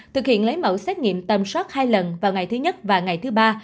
thực hiện lấy mẫu xét nghiệm tầm soát hai lần vào ngày thứ nhất và ngày thứ ba